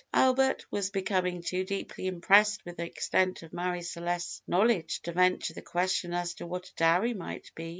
(Albert was becoming too deeply impressed with the extent of Marie Celeste's knowledge to venture the question as to what a dowry might be.)